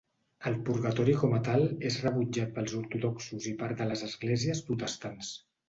El purgatori com a tal és rebutjat pels ortodoxos i part de les esglésies protestants.